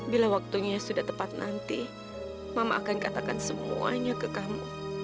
bila waktunya sudah tepat nanti mama akan katakan semuanya ke kamu